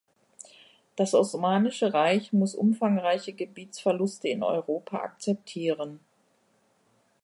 Das Osmanische Reich muss umfangreiche Gebietsverluste in Europa akzeptieren.